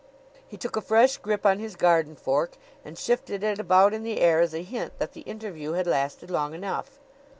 He took a fresh grip on his garden fork and shifted it about in the air as a hint that the interview had lasted long enough.